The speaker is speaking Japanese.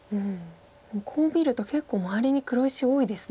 こう見ると結構周りに黒石多いですね。